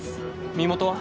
身元は？